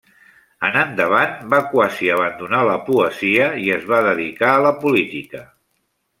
En endavant va quasi abandonar la poesia i es va dedicar a la política.